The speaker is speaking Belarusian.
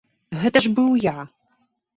Гэта ж быў я!